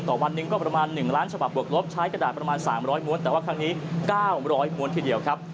วันหนึ่งก็ประมาณ๑ล้านฉบับบวกลบใช้กระดาษประมาณ๓๐๐ม้วนแต่ว่าครั้งนี้๙๐๐ม้วนทีเดียวครับ